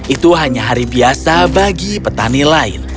itu hanya hari biasa bagi petani lain